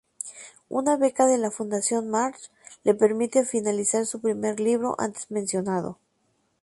Una beca de la Fundación March le permite finalizar su primer libro, antes mencionado.